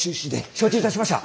承知いたしました！